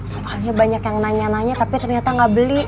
soalnya banyak yang nanya nanya tapi ternyata nggak beli